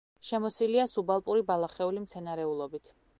შემოსილია სუბალპური ბალახეული მცენარეულობით.